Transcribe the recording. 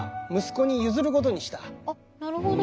あっなるほど。